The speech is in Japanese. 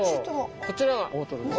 こちらは大トロです。